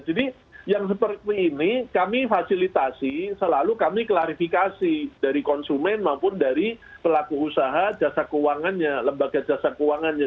jadi yang seperti ini kami fasilitasi selalu kami klarifikasi dari konsumen maupun dari pelaku usaha lembaga jasa keuangannya